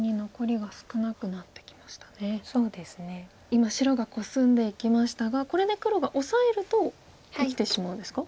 今白がコスんでいきましたがこれで黒がオサえると生きてしまうんですか？